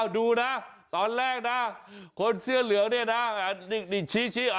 ดูนะตอนแรกคนเสื้อเหลือนี่ชี้